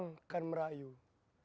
atau membaca puisi